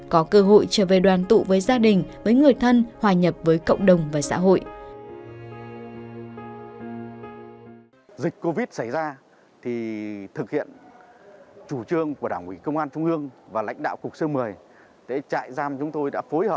có cơ hội trở về đoàn tụ với gia đình với người thân hòa nhập với cộng đồng và xã hội